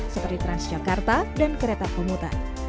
seperti transjakarta dan kereta komuter